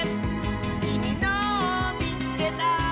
「きみのをみつけた！」